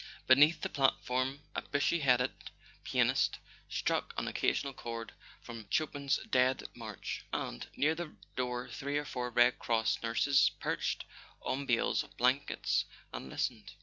Beneath the platform a bushy headed pianist struck an occasional chord from Chopin's Dead March; and near the door three or four Red Cross nurses perched on bales of blankets and listened.